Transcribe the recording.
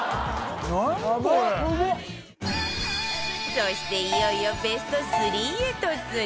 そしていよいよベスト３へ突入